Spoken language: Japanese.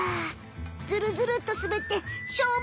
ズルズルッとすべってしょうま